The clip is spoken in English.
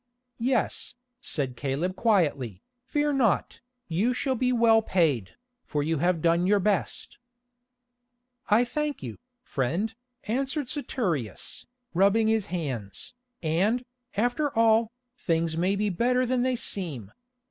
"Yes," said Caleb quietly, "fear not, you shall be well paid, for you have done your best." "I thank you, friend," answered Saturius, rubbing his hands, "and, after all, things may be better than they seem.